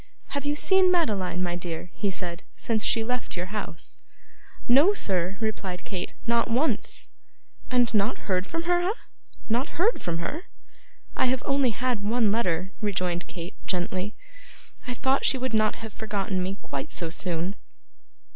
'Have you seen Madeline, my dear,' he said, 'since she left your house?' 'No, sir!' replied Kate. 'Not once.' 'And not heard from her, eh? Not heard from her?' 'I have only had one letter,' rejoined Kate, gently. 'I thought she would not have forgotten me quite so soon.